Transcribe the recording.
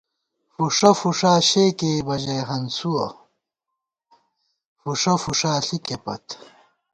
فُݭہ فُݭا شے کېئیبہ ژَئی ہنسُوَہ، فُݭا فُݭا ݪِکے پت